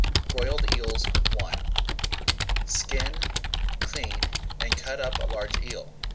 BROILED EELS I Skin, clean and cut up a large eel.